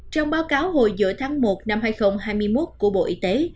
trong báo cáo hồi giữa tháng một năm hai nghìn hai mươi một của bộ y tế